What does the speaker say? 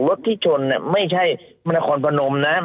รถที่ชนไม่ใช่มนครพนมนะ